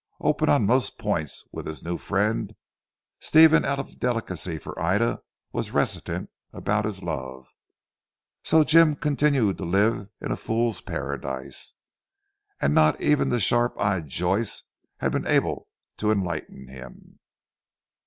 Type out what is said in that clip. Open on most points with his new friend, Stephen out of delicacy for Ida was reticent about his love. So Jim continued to live in a Fool's Paradise, and not even the sharp eyed Joyce had been able to able to enlighten him.